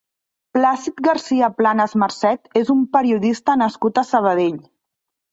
Plàcid Garcia-Planas Marcet és un periodista nascut a Sabadell.